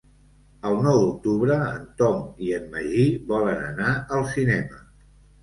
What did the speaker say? El nou d'octubre en Tom i en Magí volen anar al cinema.